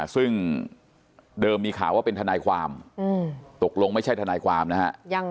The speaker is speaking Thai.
ซึ่งเดิมมีข่าวว่าเป็นทนายความตกลงไม่ใช่ทนายความนะฮะ